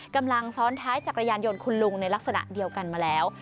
กำลังซ้อนท้ายจักรยานยนต์คุณลุงในลักษณะเดียวกันมาแล้ว